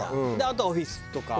あとはオフィスとか？